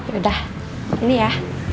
yaudah ini ya